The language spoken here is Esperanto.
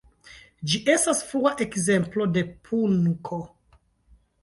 Ĝi estas frua ekzemplo de punko.